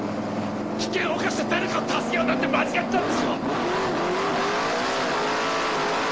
危険を冒して誰かを助けようなんて間違ってたんですよ！